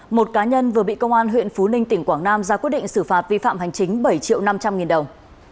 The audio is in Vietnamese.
một cá nhân vừa bị công an huyện phú ninh tỉnh quảng nam ra quyết định xử phạt vi phạm hành chính bảy triệu năm trăm linh nghìn đồng